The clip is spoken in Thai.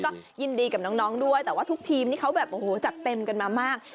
ก็ยินดีกับน้องด้วยแต่ว่าทุกทีมนี่เขาแบบโอ้โหจัดเต็มกันมามาก